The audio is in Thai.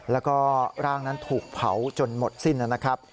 แล้วก็ร่างนั้นถูกเผาจนหมดสิ้นนะครับ